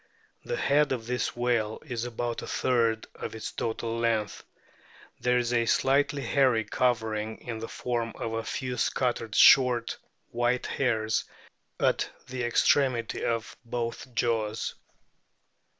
The head of this whale is about a third of its total length. There is a slight hairy covering in the form of a few scattered, short, white hairs at the extremity of both jaws.